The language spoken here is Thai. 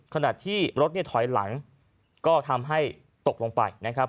ขณะที่รถเนี่ยถอยหลังก็ทำให้ตกลงไปนะครับ